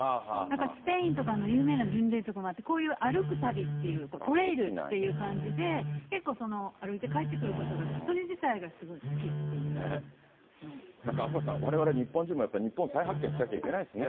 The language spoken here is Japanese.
スペインとかの有名な巡礼とかあって、こういう歩く旅っていう、トレイルっていう感じで、結構、歩いて帰ってくることがそれ自体なんか赤星さん、われわれ日本人もやっぱり日本再発見しなきゃいけないですね。